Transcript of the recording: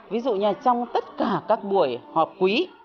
ví dụ như trong tất cả các buổi họp quý